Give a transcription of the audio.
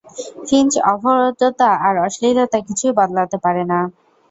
Finch, অভদ্রতা আর অশ্লীলতা কিছুই বদলাতে পারে না।